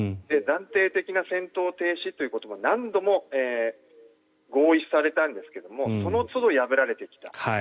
暫定的な戦闘停止ということも何度も合意されたんですがそのつど、破られてきた。